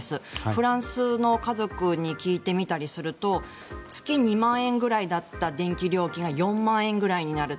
フランスの家族に聞いてみたりすると月２万円ぐらいだった電気料金が４万円ぐらいになる。